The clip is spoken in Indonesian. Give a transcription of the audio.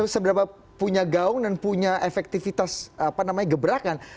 seberapa punya gaung dan punya efektivitas gebrakan